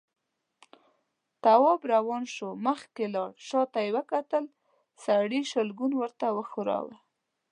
تواب روان شو، مخکې لاړ، شاته يې وکتل، سړي شلګون ورته وښوراوه.